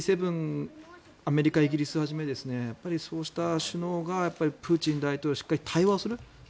アメリカ、イギリスをはじめそうした首脳がプーチン大統領としっかり対話をする。